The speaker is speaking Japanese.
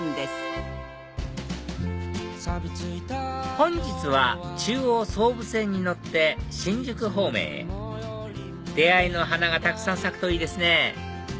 本日は中央・総武線に乗って新宿方面へ出会いの花がたくさん咲くといいですね